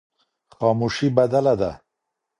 خاموشي بدله ده.